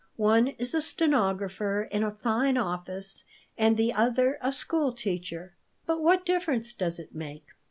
One is a stenographer in a fine office and the other a school teacher. But what difference does it make?"